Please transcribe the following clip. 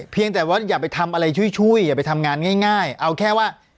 เพียงแต่ว่าอย่าไปทำอะไรช่วยอย่าไปทำงานง่ายเอาแค่ว่า